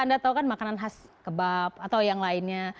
anda tahu kan makanan khas kebab atau yang lainnya